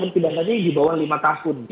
dan pindangannya yang di bawah lima tahun